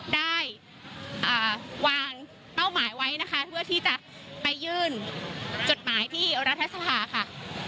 ได้วางเป้าหมายไว้นะคะเพื่อที่จะไปยื่นจดหมายที่รัฐสภาค่ะ